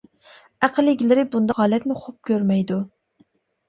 ئەقىل ئىگىلىرى بۇنداق ھالەتنى خوپ كۆرمەيدۇ.